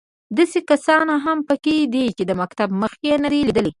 داسې کسان هم په کې دي چې د مکتب مخ یې نه دی لیدلی.